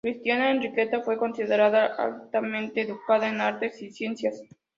Cristiana Enriqueta fue considerada altamente educada en artes y ciencias.